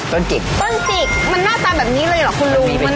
จิกต้นจิกมันหน้าตาแบบนี้เลยเหรอคุณลุง